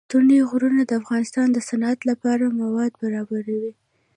ستوني غرونه د افغانستان د صنعت لپاره مواد برابروي.